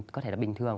có thể là bình thường